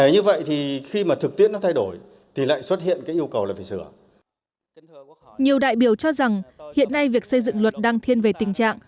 nhiều đại biểu cho rằng hiện nay việc xây dựng luật đang thiên về tình trạng